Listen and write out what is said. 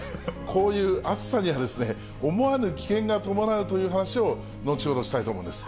こういう暑さには、思わぬ危険が伴うという話を、後ほどしたいと思うんです。